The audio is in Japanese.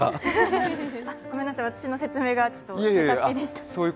ごめんなさい、私の説明が下手っぴでした。